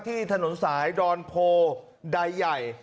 ที่ถนนสายดอนโพใดใหญ่